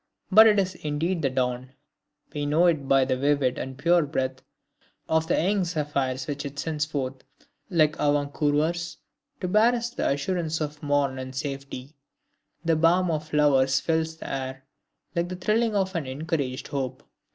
But it is indeed the dawn; we know it by the vivid and pure breath of the young zephyrs which it sends forth, like avant coureurs, to bear us the assurance of morn and safety. The balm of flowers fills the air, like the thrilling of an encouraged hope.